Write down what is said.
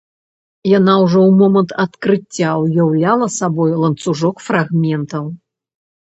Яна ўжо ў момант адкрыцця ўяўляла сабой ланцужок фрагментаў.